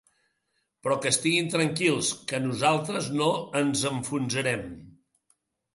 Però que estiguin tranquils, que nosaltres no ens enfonsarem.